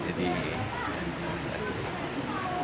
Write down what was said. jadi orangnya teliti kan